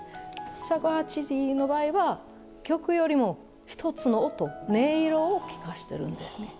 尺八の場合は曲よりも一つの音音色を聴かしてるんですね。